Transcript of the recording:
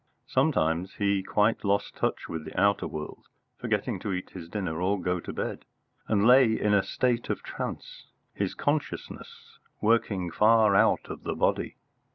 Sometimes he quite lost touch with the outer world, forgetting to eat his dinner or go to bed, and lay in a state of trance, his consciousness working far out of the body.